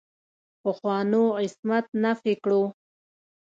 پخوانو عصمت نفي کړو.